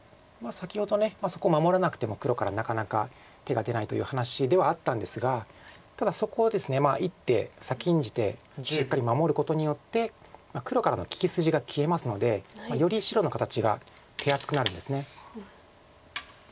先ほどそこ守らなくても黒からなかなか手が出ないという話ではあったんですがただそこをですね一手先んじてしっかり守ることによって黒からの利き筋が消えますのでより白の形が手厚くなるんです。